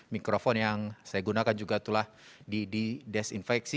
mikrofon yang saya gunakan juga telah didesinfeksi